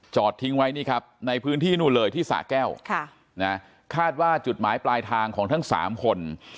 ทิ้งไว้นี่ครับในพื้นที่นู่นเลยที่สะแก้วคาดว่าจุดหมายปลายทางของทั้ง๓คน